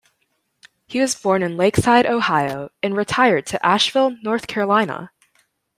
He was born in Lakeside, Ohio and retired to Asheville, North Carolina.